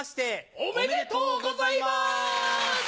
おめでとうございます！